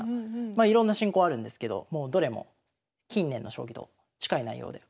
まあいろんな進行あるんですけどもうどれも近年の将棋と近い内容で。